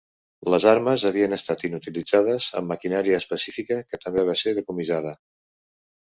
Les armes havien estat inutilitzades amb maquinària específica que també va ser decomissada.